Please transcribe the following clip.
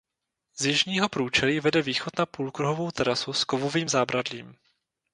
Z jižního průčelí vede východ na půlkruhovou terasu s kovovým zábradlím.